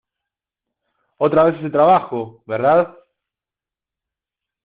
otra vez ese trabajo, ¿ verdad?